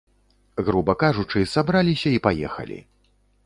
Груба кажучы, сабраліся і паехалі.